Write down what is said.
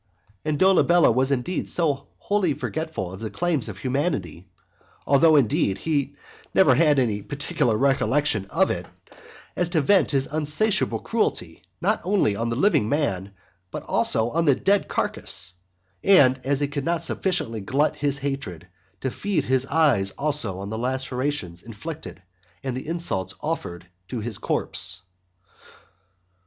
And Dolabella was indeed so wholly forgetful of the claims of humanity, (although, indeed, he never had any particular recollection of it,) as to vent his insatiable cruelty, not only on the living man, but also on the dead carcass, and, as he could not sufficiently glut his hatred, to feed his eyes also on the lacerations inflicted, and the insults offered to his corpse.